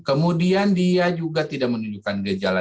kemudian dia juga tidak menunjukkan gejala